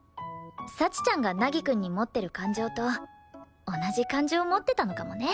幸ちゃんが凪くんに持ってる感情と同じ感情を持ってたのかもね。